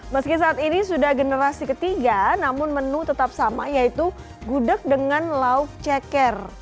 meski saat ini sudah generasi ketiga namun menu tetap sama yaitu gudeg dengan lauk ceker